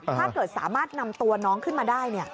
ถ้าเกิดสามารถนำตัวน้องขึ้นมาได้